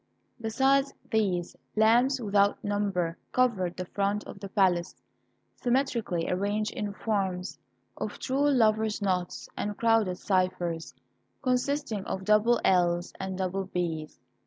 Besides these, lamps without number covered the front of the palace, symmetrically arranged in forms of true lover's knots and crowned cyphers, consisting of double LL's and double BB's.